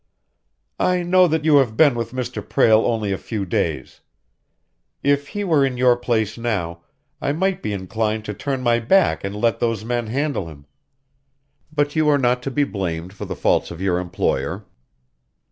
"I know that you have been with Mr. Prale only a few days. If he were in your place now, I might be inclined to turn my back and let those men handle him. But you are not to be blamed for the faults of your employer."